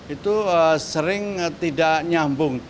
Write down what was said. itu sering tidak nyambung